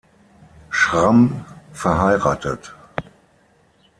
Schramm, verheiratet.